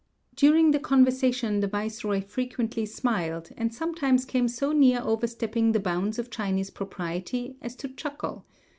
During the conversation the viceroy frequently smiled, and sometimes came so near overstepping the bounds of Chinese propriety as to chuckle.